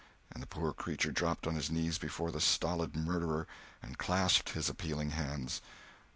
And the poor creature dropped on his knees before the stolid murderer, and clasped his appealing hands.